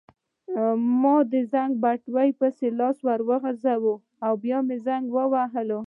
ما د زنګ په بټن پسې لاس وروغځاوه او بیا مې زنګ وواهه.